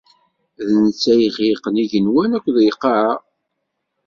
Netta i ixelqen igenwan akked lqaɛa.